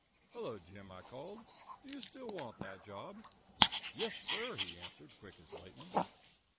"Hello, Jim," I called; "do you still want that job?" "Yes, sir," he answered, quick as lightning.